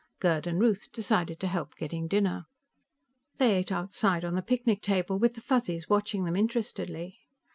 Gerd and Ruth decided to help getting dinner. They ate outside on the picnic table, with the Fuzzies watching them interestedly.